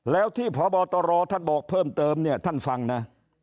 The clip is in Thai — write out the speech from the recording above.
แล้วที่พบตรท่านบอกเพิ่มเติมเนี่ยท่านฟังนะ